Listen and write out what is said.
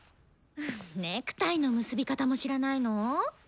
ネクタイの結び方も知らないの？